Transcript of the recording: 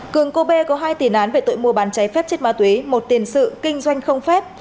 cường cô bê có hai tỉ nán về tội mua bán cháy phép chết ma tuế một tiền sự kinh doanh không phép